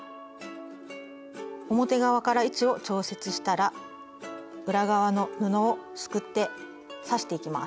表側から位置を調節したら裏側の布をすくって刺していきます。